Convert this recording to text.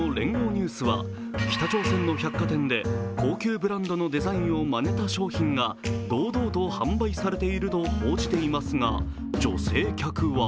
ニュースは、北朝鮮の百貨店で高級ブランドのデザインをまねた商品が堂々と販売されていると報じていますが、女性は